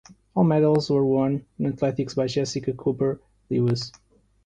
All medals were won in athletics by Jessica Cooper Lewis.